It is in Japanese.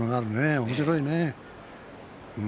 おもしろいね。